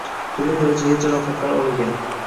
Turli darajadagi jarohatlar oligan